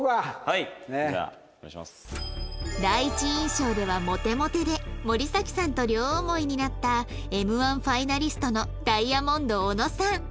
第一印象ではモテモテで森咲さんと両思いになった Ｍ−１ ファイナリストのダイヤモンド小野さん